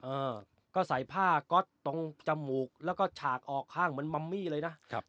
เออก็ใส่ผ้าก๊อตตรงจมูกแล้วก็ฉากออกข้างเหมือนมัมมี่เลยนะครับ